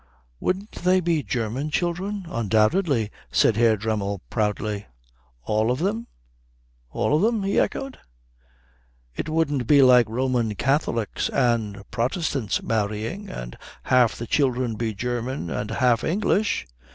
"Wouldn't they be German children?" "Undoubtedly," said Herr Dremmel proudly. "All of them?" "All of them?" he echoed. "It wouldn't be like Roman Catholics and Protestants marrying, and half the children be German and half English?"